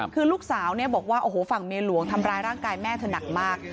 คือลูกสาวเนี่ยบอกว่าโอ้โหฝั่งเมียหลวงทำร้ายร่างกายแม่เธอหนักมาก